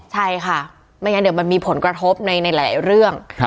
ใช่ค่ะไม่งั้นเดี๋ยวมันมีผลกระทบในหลายเรื่อง